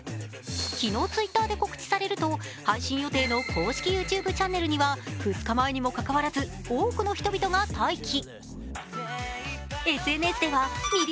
昨日、Ｔｗｉｔｔｅｒで告知されると配信予定の公式ＹｏｕＴｕｂｅチャンネルには２日前にもかかわらず多くの人々が待機。